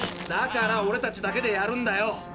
だからオレたちだけでやるんだよ。